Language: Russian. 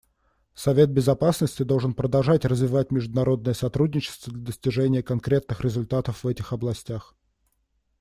Совет Безопасности должен продолжать развивать международное сотрудничество для достижения конкретных результатов в этих областях.